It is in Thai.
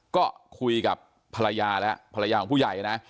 ก็คุยกับภรรยาแล้วภรรยาของผู้ใหญ่นะ